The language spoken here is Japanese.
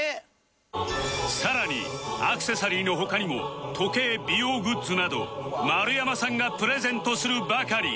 さらにアクセサリーの他にも時計美容グッズなど丸山さんがプレゼントするばかり